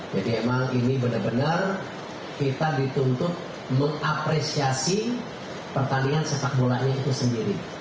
jadi emang ini benar benar kita dituntut mengapresiasi pertanian sepakbolanya itu sendiri